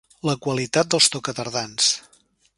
La qualitat dels toca-tardans.